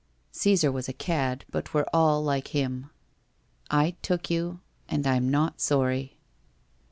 Caesar was a cad, but we're all like him. I took you, and I'm not sorry.'